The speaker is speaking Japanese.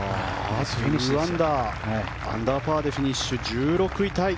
アンダーパーでフィニッシュ１６位タイ。